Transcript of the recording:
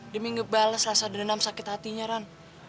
demi ngebales rasa dendam sakit hatinya ran